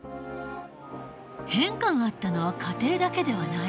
変化があったのは家庭だけではない。